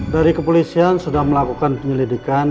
dari kepolisian sudah melakukan penyelidikan